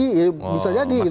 masih bisa jadi